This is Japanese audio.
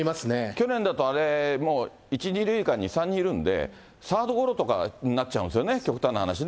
去年だとあれもう１、２塁間に３人いるんで、サードゴロとかになっちゃうんですよね、極端な話ね。